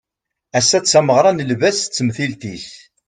Ass-a d tameɣra n lbaz d temtilt-is